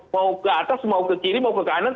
mau ke atas mau ke kiri mau ke kanan